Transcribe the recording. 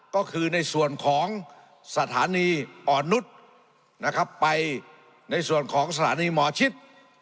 ก็คือในส่วนของสถานีอ่อนนุษย์นะครับไปในส่วนของสถานีหมอชิด